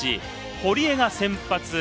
堀江が先発。